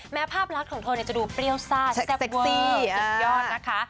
แม้ภาพรักของเธอจะดูเปรี้ยวซ่าแซ่บเวิร์ดอีกยอดนะคะ